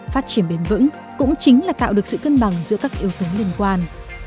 phát triển bền vững cũng chính là tạo được sự cân bằng giữa các yếu tố liên quan